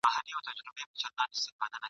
نازولي د خالق یو موږ غوثان یو `